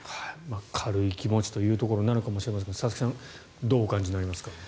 軽い気持ちというところなのかもしれませんが佐々木さんどうお感じになりますか。